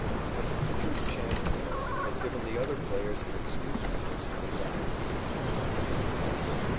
But the pitcher's chance remark had given the other players an excuse for fixing the blame, and it was put on Kling.